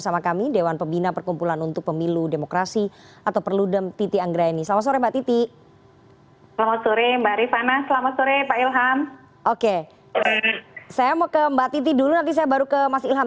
saya mau ke mbak titi dulu nanti saya baru ke mas ilham